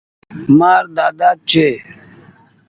مآر ۮاۮا ڇي۔